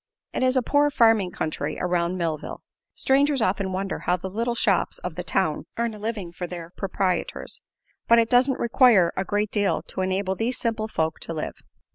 It is a poor farming country around Millville. Strangers often wonder how the little shops of the town earn a living for their proprietors; but it doesn't require a great deal to enable these simple folk to live.